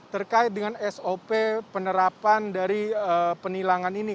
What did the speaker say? terkait dengan sop penerapan dari penilangan ini